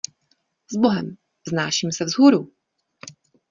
Sbohem, vznáším se vzhůru!